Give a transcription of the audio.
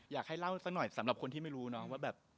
อยากให้เล่าสักหน่อยสำหรับคนที่ไม่รู้เนาะว่าแบบ